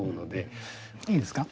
いいですか？